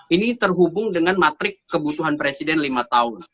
ini terhubung dengan matrik kebutuhan presiden lima tahun